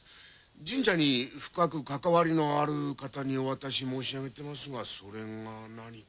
神社に深く関わりのある方にお渡し申し上げてますがそれが何か？